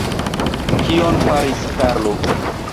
Kion faris Karlo?